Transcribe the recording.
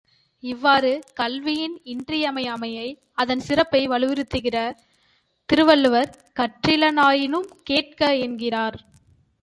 இவ்வாறு, கல்வியின் இன்றியமையாமையை அதன் சிறப்பை வலியுறுத்துகிற திருவள்ளுவர், கற்றிலனாயினும் கேட்க என்கிறார்.